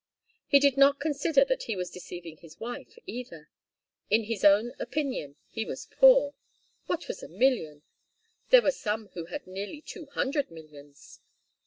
He did not consider that he was deceiving his wife, either. In his own opinion he was poor. What was a million? There were some who had nearly two hundred millions.